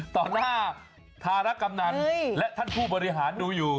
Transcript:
ต่อหน้าธารกำนันและท่านผู้บริหารดูอยู่